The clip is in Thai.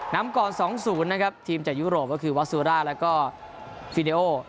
นำก่อน๒๐นะครับทีมจากยุโรปก็คือวาซูร่าแล้วก็ฟิเดโอ